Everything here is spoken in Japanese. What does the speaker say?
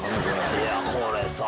いやこれさ。